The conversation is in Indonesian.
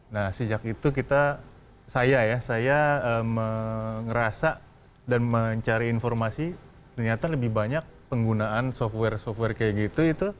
nah sejak itu kita saya ya saya ngerasa dan mencari informasi ternyata lebih banyak penggunaan software software kayak gitu